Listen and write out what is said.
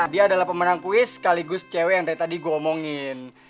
dia adalah pemenang kuis sekaligus cewek yang dari tadi gue omongin